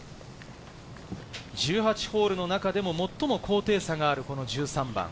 １８ホールの中でも最も高低差がある１３番。